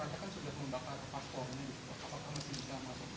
apakah masih bisa masuk